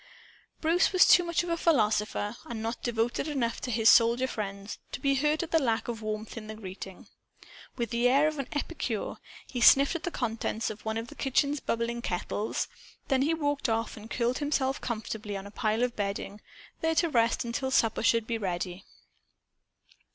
Bruce was too much a philosopher and not devoted enough to his soldier friends to be hurt at the lack of warmth in the greeting. With the air of an epicure, he sniffed at the contents of one of the kitchen's bubbling kettles. Then he walked off and curled himself comfortably on a pile of bedding, there to rest until supper should be ready.